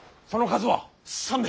その数は。